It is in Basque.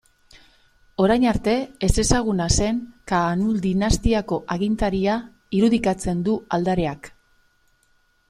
Orain arte ezezaguna zen Kaanul dinastiako agintaria irudikatzen du aldareak.